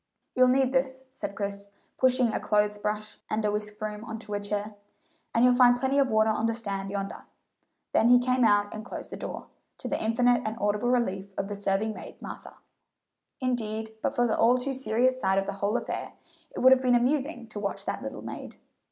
"You'll need this," said Chris, pushing a clothes brush and a whisk broom on to a chair, "and you'll find plenty of water on the stand yonder;" then he came out and closed the door, to the infinite and audible relief of the serving maid Martha. Indeed but for the all too serious side of the whole affair, it would have been amusing to watch that little maid.